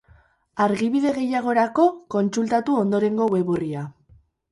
Argibide gehiagorako kontsultatu ondorengo web orria.